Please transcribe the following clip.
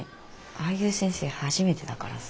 ああいう先生初めてだからさ。